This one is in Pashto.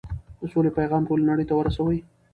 د سولې پيغام ټولې نړۍ ته ورسوئ.